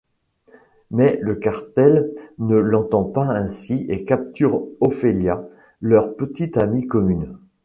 Mais le cartel ne l'entend pas ainsi et capture Ophelia, leur petite amie commune...